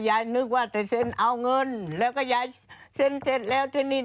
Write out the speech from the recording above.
นึกว่าจะเซ็นเอาเงินแล้วก็ยายเซ็นเสร็จแล้วที่นี่